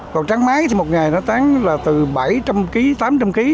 còn tráng máy thì một ngày nó tráng là từ bảy trăm linh kg tám trăm linh kg